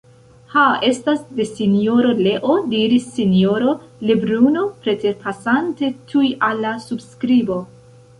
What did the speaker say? Ha! estas de Sinjoro Leo, diris Sinjoro Lebruno preterpasante tuj al la subskribo.